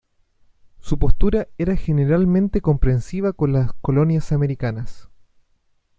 Su postura era generalmente comprensiva con las colonias americanas.